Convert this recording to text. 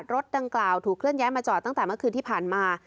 รถดังกล่าวถูกเคลื่อนย้ายมาจอดตั้งแต่เมื่อคืนที่ผ่านมา